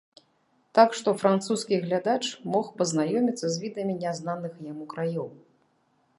Так што французскі глядач мог пазнаёміцца з відамі нязнаных яму краёў.